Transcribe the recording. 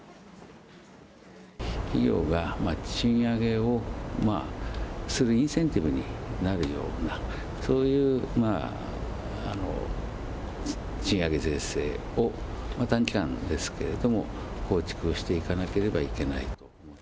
企業が賃上げをするインセンティブになるような、そういう賃上げ税制を、短期間ですけれども、構築していかなければいけないと。